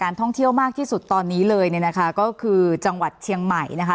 ท่องเที่ยวมากที่สุดตอนนี้เลยเนี่ยนะคะก็คือจังหวัดเชียงใหม่นะคะ